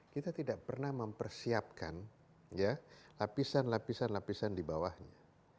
kita tidak pernah mempersiapkan lapisan lapisan lapisan di bawahnya